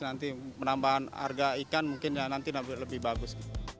nanti penambahan harga ikan mungkin nanti lebih bagus